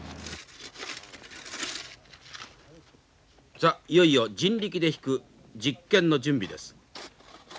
さあいよいよ人力で引く実験の準備です。